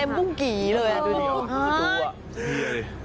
เต็มกุิเลย